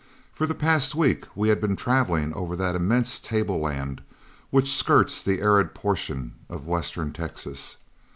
For the past week we had been traveling over that immense tableland which skirts the arid portion of western Texas.